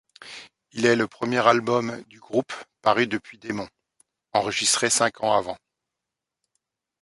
Il est le premier album du groupe paru depuis Demons, enregistré cinq ans avant.